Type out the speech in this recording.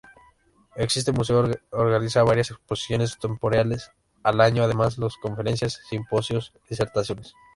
Este museo organiza varias exposiciones temporarias al año, además de conferencias, simposios y disertaciones.